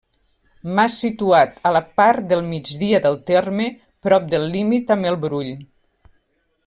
Mas situat a la part del migdia del terme, prop del límit amb el Brull.